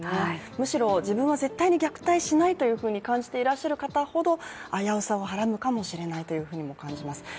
むしろ自分は絶対に虐待をしないと感じている方ほど危うさをはらむかもしれないというふうにも感じます。